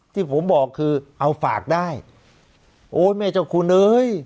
ที่ผมบอกคือเอาฝากได้โอ้ยแม่เจ้าคุณเอ้ย